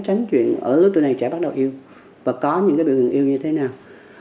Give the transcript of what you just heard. tránh chuyện ở lúc tuổi này trẻ bắt đầu yêu và có những cái biểu hiện yêu như thế nào